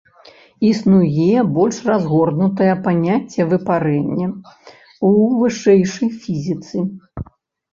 Існуе больш разгорнутае паняцце выпарэння ў вышэйшай фізіцы.